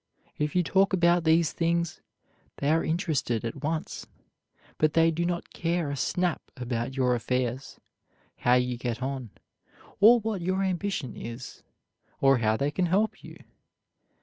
If you talk about these things, they are interested at once; but they do not care a snap about your affairs, how you get on, or what your ambition is, or how they can help you.